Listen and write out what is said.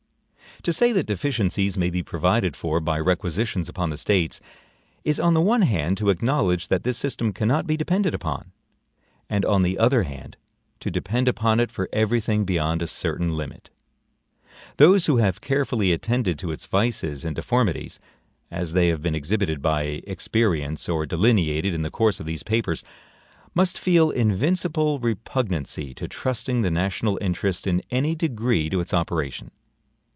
To say that deficiencies may be provided for by requisitions upon the States, is on the one hand to acknowledge that this system cannot be depended upon, and on the other hand to depend upon it for every thing beyond a certain limit. Those who have carefully attended to its vices and deformities as they have been exhibited by experience or delineated in the course of these papers, must feel invincible repugnancy to trusting the national interests in any degree to its operation.